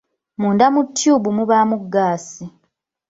Munda mu tyubu mubaamu ggaasi